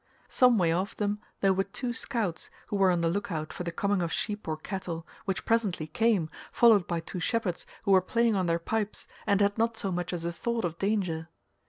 Some way off them there were two scouts who were on the look out for the coming of sheep or cattle, which presently came, followed by two shepherds who were playing on their pipes, and had not so much as a thought of danger.